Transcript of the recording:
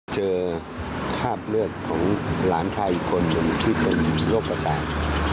เจอคราบเลือดของหลานไทยคนที่เป็นโรคประสาน